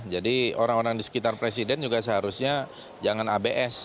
jadi orang orang di sekitar presiden juga seharusnya jangan abs